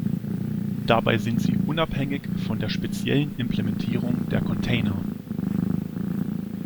Dabei sind sie unabhängig von der speziellen Implementierung der Container.